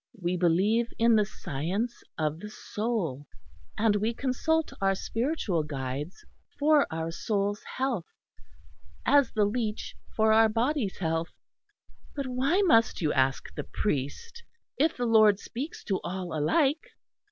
We believe in the science of the soul; and we consult our spiritual guides for our soul's health, as the leech for our body's health." "But why must you ask the priest, if the Lord speaks to all alike?"